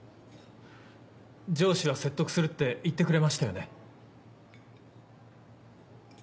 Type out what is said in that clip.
上司は説得するって言ってくれましたよね。